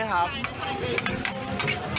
ใช่มาจากไหนครับ